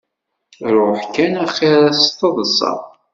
Ruḥ kan axir s taḍsa.